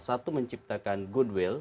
satu menciptakan goodwill